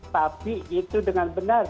tapi itu dengan benar